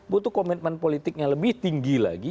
butuh komitmen politik yang lebih tinggi lagi